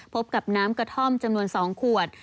พบกับน้ำกระท่อมจำนวน๒ขวด